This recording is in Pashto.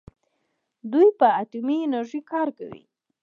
دوی په اټومي انرژۍ کار کوي.